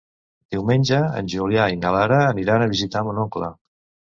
Diumenge en Julià i na Lara aniran a visitar mon oncle.